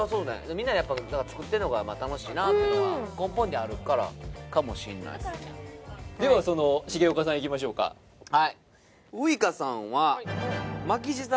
みんなでやっぱり作ってんのが楽しいなっていうのは根本にあるからかもしんないですねではその重岡さんいきましょうかはいほう！